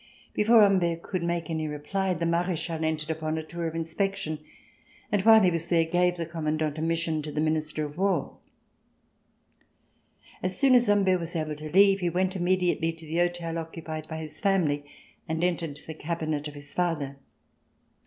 Before Humbert could make any reply, the Marechal entered, upon a tour of inspection, and, while there, gave the Commandant a mission to the Minister of War. As soon as Humbert was able to leave, he went im mediately to the hotel occupied by his family and entered the cabinet of his father.